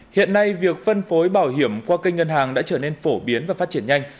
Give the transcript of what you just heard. hiện nay việc phân phối bảo hiểm qua kênh ngân hàng đã trở nên phổ biến và phát triển nhanh